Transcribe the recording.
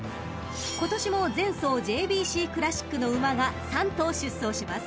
［今年も前走ＪＢＣクラシックの馬が３頭出走します］